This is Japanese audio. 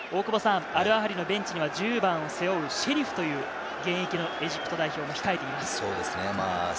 アルアハリのベンチには１０番を背負うシェリフという現役のエジプト代表も控えています。